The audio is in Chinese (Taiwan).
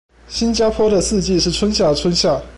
新加坡的四季是春夏春夏